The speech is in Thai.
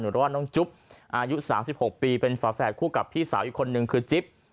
หรือว่าน้องจุ๊บอายุ๓๖ปีเป็นฝาแฝดคู่กับพี่สาวอีกคนนึงคือจิ๊บ